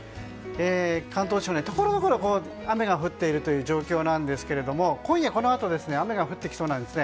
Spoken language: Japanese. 関東地方、ところどころ雨が降っている状況なんですが今夜このあと雨が降ってきそうです。